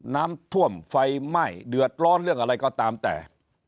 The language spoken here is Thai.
น้ำท่วมไฟไหม้เดือดร้อนเรื่องอะไรก็ตามแต่